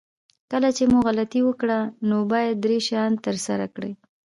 کله چې مو غلطي وکړه نو باید درې شیان ترسره کړئ.